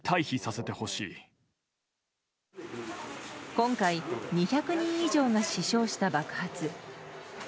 今回、２００人以上が死傷した爆発。